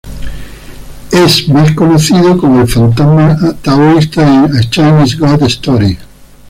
Él es mejor conocido como el fantasma taoísta en "A Chinese Ghost Story".